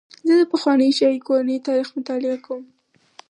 زه د پخوانیو شاهي کورنیو تاریخ مطالعه کوم.